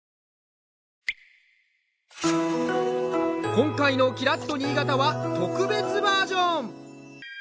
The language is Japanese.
今回の「きらっと新潟」は特別バージョン！